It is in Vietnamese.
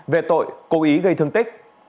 về tội cố ý gây thương tích